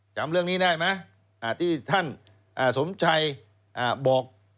จำเรื่องนี้ได้ไหมที่ท่านสมชัยบอก